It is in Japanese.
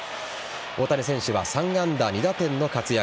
大谷選手は３安打２打点の活躍。